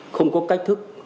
không có cách thức